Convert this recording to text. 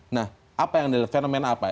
nah apa yang ada fenomen apa